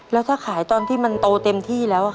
แล้วถ้าขายตอนที่มันโตเต็มที่แล้ว